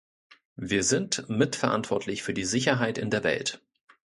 Wir sind mitverantwortlich für die Sicherheit in der Welt.